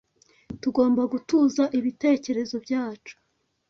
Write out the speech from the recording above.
Tugomba gutuza ibitekerezo byacu